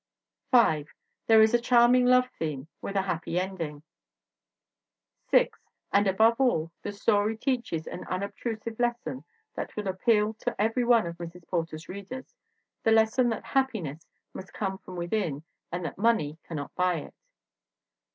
5. There is a charming love theme with a happy ending. 120 THE WOMEN WHO MAKE OUR NOVELS 6. And, above all, the story teaches an unobtru sive lesson that will appeal to every one of Mrs. Porter's readers ; the lesson that happiness must come from within, and that money cannot buy it.